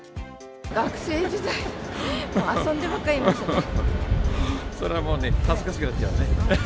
学生時代、もう遊んでばっかそれはもうね、恥ずかしくなっちゃうね。